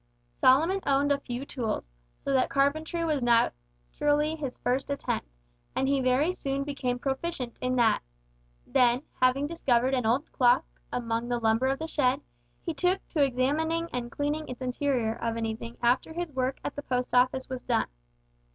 Solomon owned a few tools, so that carpentry was naturally his first attempt, and he very soon became proficient in that. Then, having discovered an old clock among the lumber of the shed, he took to examining and cleaning its interior of an evening after his work at the Post Office was done.